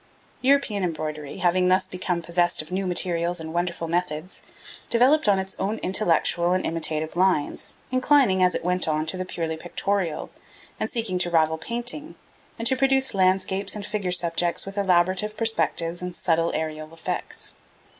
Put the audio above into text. European embroidery, having thus become possessed of new materials and wonderful methods, developed on its own intellectual and imitative lines, inclining, as it went on, to the purely pictorial, and seeking to rival painting, and to produce landscapes and figure subjects with elaborate perspective and subtle aerial effects.